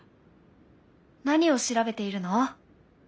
何を調べているの？